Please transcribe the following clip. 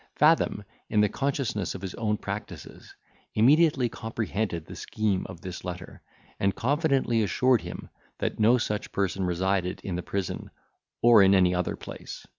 Fathom, in the consciousness of his own practices, immediately comprehended the scheme of this letter, and confidently assured him that no such person resided in the prison or in any other place.